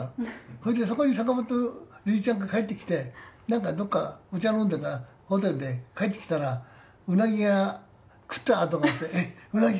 そして、そこに坂本龍一ちゃんが帰ってきてお茶飲んで、ホテルで帰ってきたらうなぎが食ったあとがあってうなぎ？